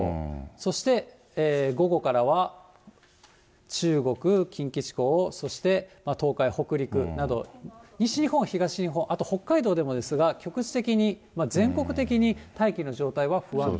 そして午後からは、中国、近畿地方、そして東海、北陸など、西日本、東日本、あと北海道でもですが、局地的に、全国的に大気の状態は不安定。